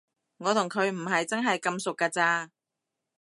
我同佢唔係真係咁熟㗎咋